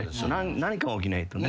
何かが起きないとね。